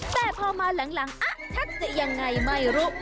แต่พอมาหลังอะทักจะยังไงไม่รู้